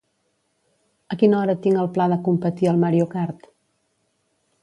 A quina hora tinc el pla de competir al "Mario kart"?